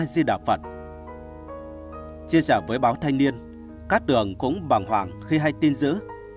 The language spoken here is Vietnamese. chia trả với báo thanh niên các đường cũng bàng hoảng khi hay tin giữ